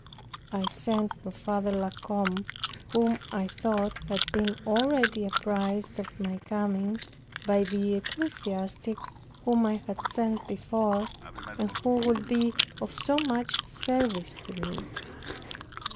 I sent for Father La Combe, who I thought had been already apprised of my coming, by the ecclesiastic whom I had sent before, and who would be of so much service to me.